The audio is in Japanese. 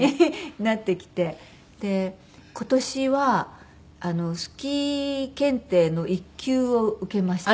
今年はスキー検定の１級を受けました。